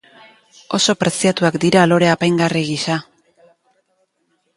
Oso preziatuak dira lore apaingarri gisa.